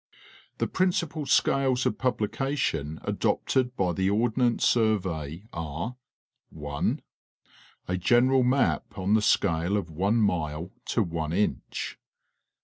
The principal scales of publication adopted by the Ordnance Survey are: (1) A general map on the scale of one mile to one inch.